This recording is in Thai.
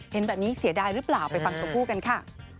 เห็นแบบนี้เสียดายหรือเปล่าไปฟังชมพู่กันค่ะ